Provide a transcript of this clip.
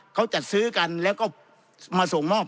เขาจัดซื้อกันแล้วก็มาส่งมอบ